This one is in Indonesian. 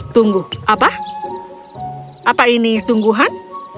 tunggu apa apa ini sungguhan